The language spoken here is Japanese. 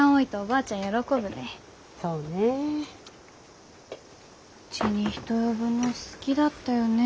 うちに人呼ぶの好きだったよね。